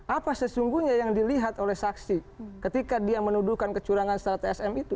apa sesungguhnya yang dilihat oleh saksi ketika dia menuduhkan kecurangan secara tsm itu